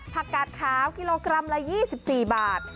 กาดขาวกิโลกรัมละ๒๔บาท